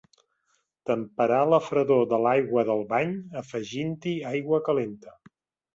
Temperar la fredor de l'aigua del bany afegint-hi aigua calenta.